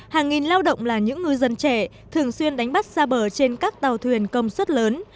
hàng nghìn lao động là những ngư dân trẻ thường xuyên đánh bắt xa bờ trên các tàu thuyền công suất lớn